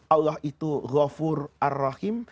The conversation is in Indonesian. allah itu ghafur arrohim